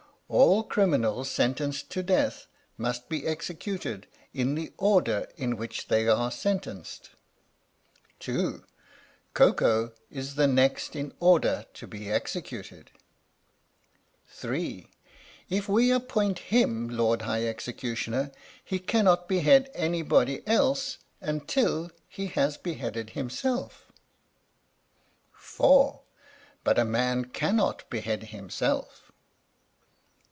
All criminals sentenced to death must be executed in the order in which they are sentenced. ii THE STORY OF THE MIKADO (2). Koko is the next in order to be executed. (3). If we appoint him Lord High Executioner he cannot behead anybody else until he has beheaded himself. (4). But a man cannot behead himself.